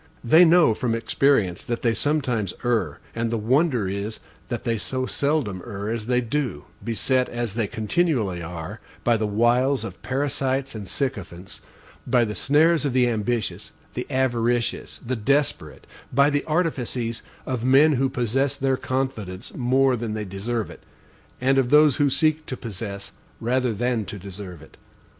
They know from experience that they sometimes err; and the wonder is that they so seldom err as they do, beset, as they continually are, by the wiles of parasites and sycophants, by the snares of the ambitious, the avaricious, the desperate, by the artifices of men who possess their confidence more than they deserve it, and of those who seek to possess rather than to deserve it.